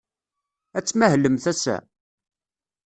Ad tmahlemt ass-a?